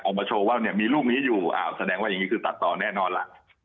ออกมาโชว์ว่าเนี่ยมีลูกนี้อยู่อ้าวแสดงว่าอย่างนี้คือตัดต่อแน่นอนล่ะ